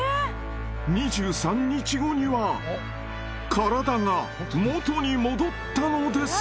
２３日後には体が元に戻ったのです。